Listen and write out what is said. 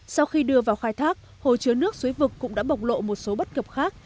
sau khi đưa vào khai thác hồ chứa nước suối vực cũng đã bộc lộ một số bất cập khác